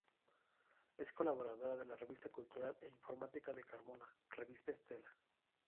Es colaboradora de la revista cultural e informativa de Carmona; "Revista Estela".